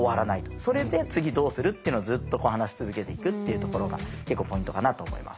それで次どうするっていうのをずっと話し続けていくっていうところが結構ポイントかなあと思います。